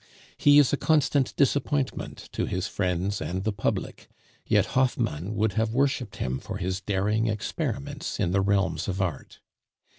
He is a constant disappointment to his friends and the public; yet Hoffmann would have worshiped him for his daring experiments in the realms of art.